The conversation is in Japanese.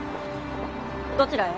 どちらへ？